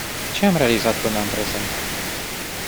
Ce am realizat până în prezent?